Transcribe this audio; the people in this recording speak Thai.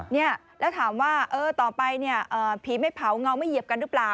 เนี่ยแล้วถามว่าต่อไปเนี่ยผีไม่เผาเงาไม่เหยียบกันหรือเปล่า